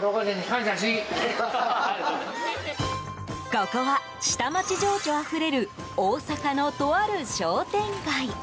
ここは下町情緒あふれる大阪の、とある商店街。